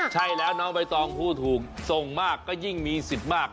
ใช่แล้วน้องใบตองพูดถูกส่งมากก็ยิ่งมีสิทธิ์มาก